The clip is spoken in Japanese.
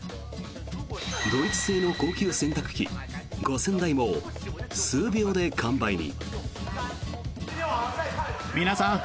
ドイツ製の高級洗濯機５０００台も数秒で完売に。